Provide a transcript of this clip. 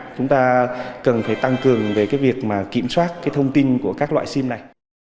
chúng ta cần phải tăng cường về việc kiểm soát thông tin của các loại sim này